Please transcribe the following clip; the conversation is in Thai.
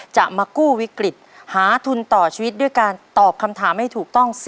จะมากู้วิกฤตหาทุนต่อชีวิตด้วยการตอบคำถามให้ถูกต้อง